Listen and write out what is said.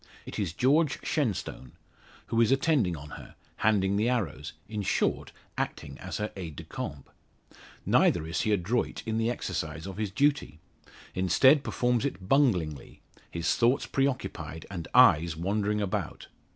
It is George Shenstone; who is attending on her, handing the arrows in short, acting as her aide de camp. Neither is he adroit in the exercise of his duty; instead performs it bunglingly; his thoughts preoccupied, and eyes wandering about.